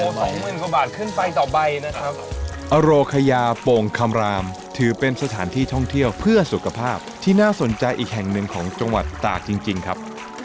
สองหมื่นกว่าบาทขึ้นไปต่อใบนะครับอโรคยาโป่งคำรามถือเป็นสถานที่ท่องเที่ยวเพื่อสุขภาพที่น่าสนใจอีกแห่งหนึ่งของจังหวัดตากจริงจริงครับ